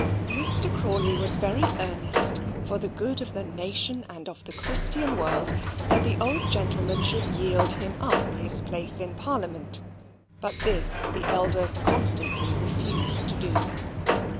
Mr. Crawley was very earnest, for the good of the nation and of the Christian world, that the old gentleman should yield him up his place in Parliament; but this the elder constantly refused to do.